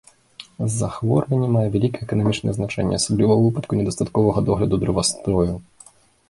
Захворванне мае вялікае эканамічнае значэнне, асабліва ў выпадку недастатковага догляду дрэвастою.